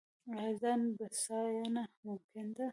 آیا ځان بسیاینه ممکن ده؟